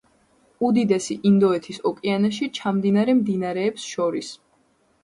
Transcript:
უდიდესი ინდოეთის ოკეანეში ჩამდინარე მდინარეებს შორის.